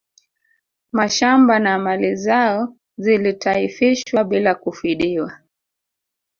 Mashamba na mali zao zilitaifishwa bila kufidiwa